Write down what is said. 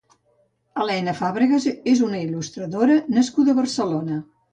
Helena Fàbregas és una il·lustradora nascuda a Barcelona.